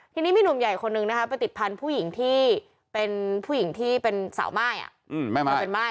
ทีนี้มีหนุ่มใหญ่คนนึงนะครับติดพันธุ์ผู้หญิงที่เป็นสาวม่าย